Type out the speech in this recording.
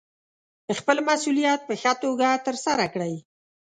خپل مسوولیت په ښه توګه ترسره کړئ.